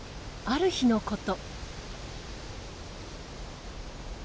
ある日のこと。